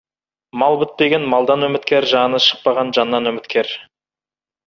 Мал бітпеген малдан үміткер, жаны шықпаған жаннан үміткер.